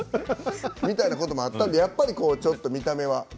みたいなことがあったのでちょっと見た目は。